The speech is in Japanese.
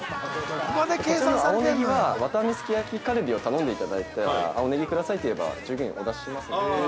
◆青ネギは、「わたあめすき焼きカルビ」を頼んでいただいたら、青ネギくださいって言えば、従業員がお出ししますので。